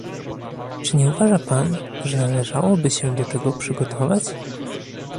Czy nie uważa pan, że należałoby się do tego przygotować?